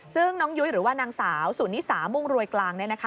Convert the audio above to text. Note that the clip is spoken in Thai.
ซึ่งน้องยุ้ยหรือว่านางสาวสุนิสามุ่งรวยกลาง